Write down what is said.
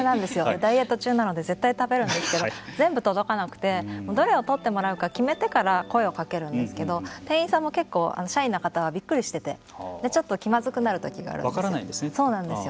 ダイエット中なので絶対食べるんですけど全部届かなくてどれを取ってもらうか決めてから声をかけるんですけど店員さんも結構シャイな方はびっくりしてちょっと気まずくなるときがあるんですよ。